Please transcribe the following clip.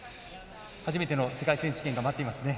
初めての世界選手権が待っていますね。